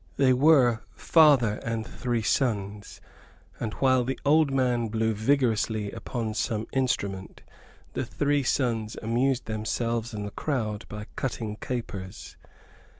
They were father and three sons, and while the old man blew vigorously upon some instrument, the three sons amused themselves and the crowd by cutting capers.